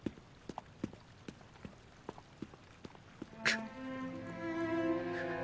くっ。